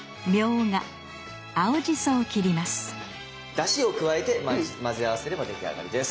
だしを加えて混ぜ合わせれば出来上がりです。